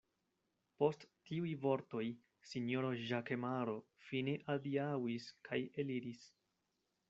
Post tiuj vortoj sinjoro Ĵakemaro fine adiaŭis kaj eliris.